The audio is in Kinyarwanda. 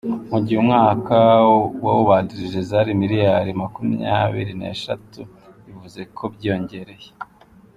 Mu gihe umwaka wawubanjirije zari miliyari makumyabiri n’eshatu, bivuze ko byiyongereye.